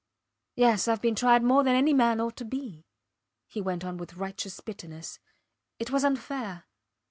Yes; Ive been tried more than any man ought to be, he went on with righteous bitterness. It was unfair.